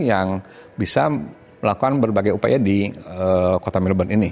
yang bisa melakukan berbagai upaya di kota melbourne ini